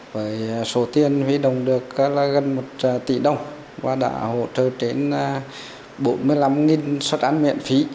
với số tiền viện đồng được gần một tỷ đồng và đã hỗ trợ đến bốn mươi năm xuất ăn miễn phí